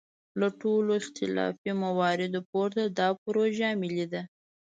له ټولو اختلافي مواردو پورته دا پروژه ملي ده.